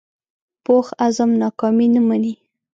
پوخ عزم ناکامي نه مني